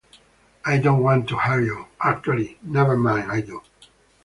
I don't want to hurt you. Actually, never mind, I do.